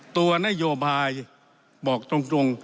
ตัวนโยบายบอกตรง